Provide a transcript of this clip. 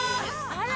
あら！